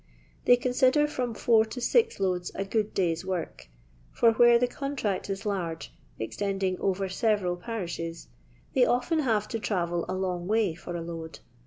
They consider from four to six loads a good day's work, for where the contract is large, ezten^ng over sererai parishes, they often have to travel a long way for a load.